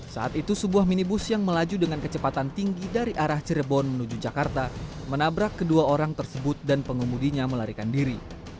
saat itu sebuah minibus yang melaju dengan kecepatan tinggi dari arah cirebon menuju jakarta menabrak kedua orang tersebut dan pengemudinya melarikan diri